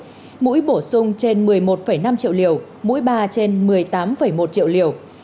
trong đó mũi hai trên một mươi triệu liều mũi ba trên một mươi triệu liều mũi ba trên một mươi triệu liều mũi ba trên một mươi triệu liều